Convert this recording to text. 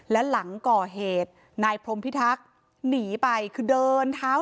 และหลังก่อเหตุนายพรมพิทักษ์หนีไปคือเดินเท้า